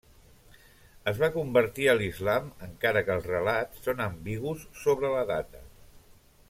Es va convertir a l'islam encara que els relats són ambigus sobre la data.